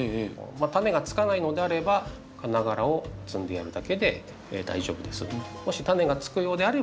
種がつかないのであれば花がらを摘んでやるだけで大丈夫です。